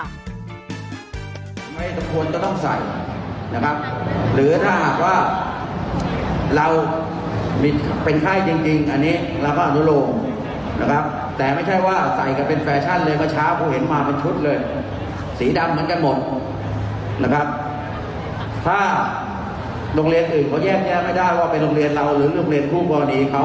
พวกบอลดีเขาเกิดฝันเข้ามาปัญหาจะเกิดกับตัวเรา